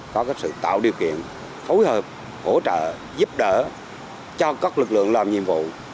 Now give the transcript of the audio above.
có sự tạo điều kiện phối hợp hỗ trợ giúp đỡ cho các lực lượng làm nhiệm vụ